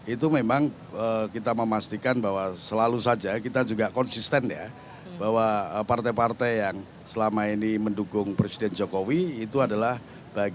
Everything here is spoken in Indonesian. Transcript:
itu memang kita memastikan bahwa selalu saja kita juga konsisten ya bahwa partai partai yang selama ini mendukung presiden jokowi itu adalah bagian dari